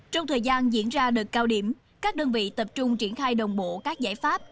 trong thời gian diễn ra đợt cao điểm các đơn vị tập trung triển khai đồng bộ các giải pháp